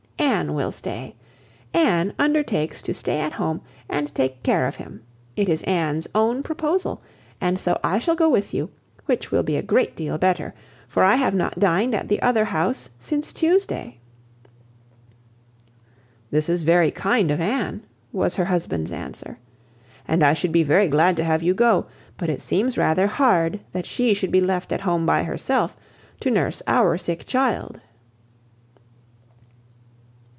Anne will stay; Anne undertakes to stay at home and take care of him. It is Anne's own proposal, and so I shall go with you, which will be a great deal better, for I have not dined at the other house since Tuesday." "This is very kind of Anne," was her husband's answer, "and I should be very glad to have you go; but it seems rather hard that she should be left at home by herself, to nurse our sick child."